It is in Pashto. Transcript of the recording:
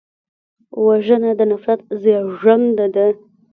وژنه د نفرت زېږنده ده